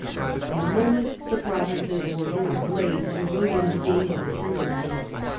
In a moment the Provinces were in a blaze, and William regained his ascendancy.